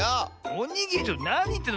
おにぎりなにいってんの？